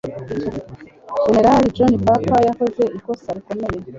Jenerali John Papa yakoze ikosa rikomeye.